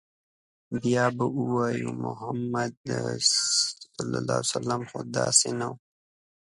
بيا به وايي، محمد ص خو داسې نه و